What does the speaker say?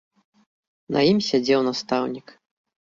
На ім сядзеў настаўнік.